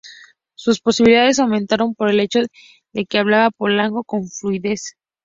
Sus posibilidades aumentaron por el hecho de que hablaba polaco con fluidez.